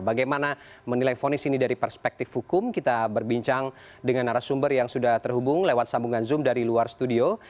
bagaimana menilai fonis ini dari perspektif hukum kita berbincang dengan narasumber yang sudah terhubung lewat sambungan zoom dari luar studio